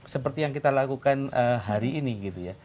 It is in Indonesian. seperti yang kita lakukan hari ini